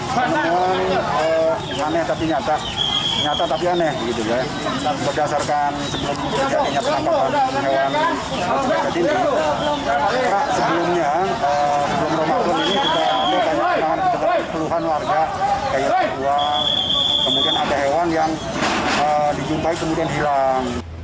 sebelum rumah pun ini kita melihat penanganan dari seluruhan warga kayak uang kemudian ada hewan yang dijumpai kemudian hilang